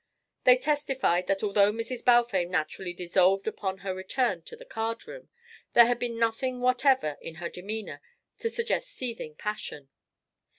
They testified that although Mrs. Balfame naturally dissolved upon her return to the card room, there had been nothing whatever in her demeanour to suggest seething passion.